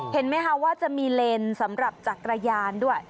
เห็นไหมคะว่าจะมีเลนสำหรับจักรยานด้วย